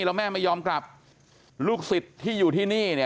แล้วแม่ไม่ยอมกลับลูกศิษย์ที่อยู่ที่นี่เนี่ย